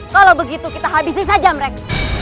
kalau begitu kita habisin saja mrek